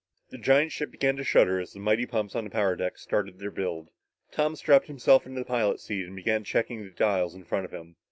The giant ship began to shudder as the mighty pumps on the power deck started their build. Tom strapped himself into the pilot's seat and began checking the dials in front of him.